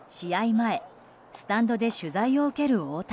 前スタンドで取材を受ける大谷。